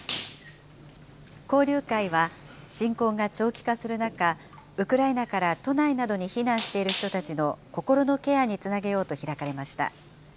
交流会は、侵攻が長期化する中、ウクライナから都内などに避難している人たちの心のケアにつなげようと開かれました。